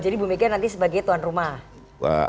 jadi bu mega nanti sebagai tuan rumah